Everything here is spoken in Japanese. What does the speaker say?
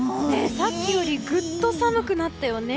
さっきよりぐっと寒くなったよね！